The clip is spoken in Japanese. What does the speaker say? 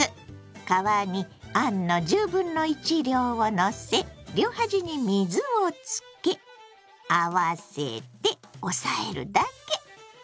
皮にあんの量をのせ両端に水をつけ合わせて押さえるだけ！